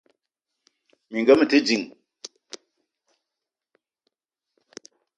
Minga mete ding.